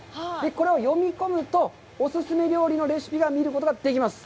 これを読み込むと、お勧め料理のレシピを見ることができます。